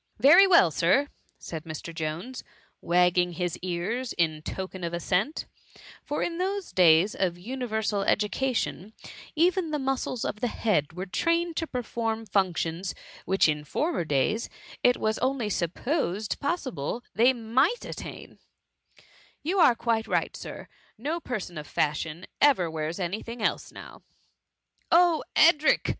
*"" Very well, Sir,'' said Mr. Jones, wagging his ears in token of assent ; for in those days of universal education, even the muscles of the head were trained to perform functions which in former days it was only supposed possible they might attain :" You are quite right. Sir, — no person of fashion ever wears any thing else now .''" Oh, Edric